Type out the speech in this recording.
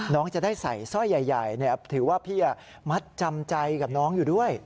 น้องจะได้ใส่สร้อยใหญ่ถือว่าพี่มัดจำใจกับน้องอยู่ด้วย